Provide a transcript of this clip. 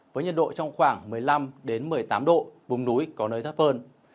với nhiệt độ trong khoảng một mươi năm một mươi tám độ vùng núi có nơi thấp hơn